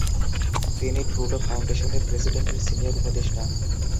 তিনি ট্রুডো ফাউন্ডেশনের প্রেসিডেন্টের সিনিয়র উপদেষ্টা।